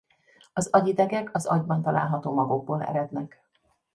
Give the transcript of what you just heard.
Az agyidegek az agyban található magokból erednek.